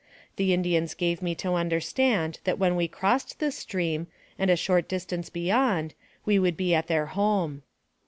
The Indians gave me to understand that when we crossed this stream, and a short distance beyond, we would be at their home.